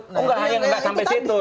oh nggak sampai situ